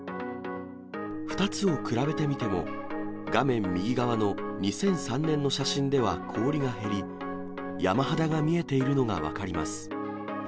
２つを比べてみても、画面右側の２００３年の写真では氷が減り、山肌が見えているのが分かります。